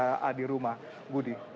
kakak di rumah budi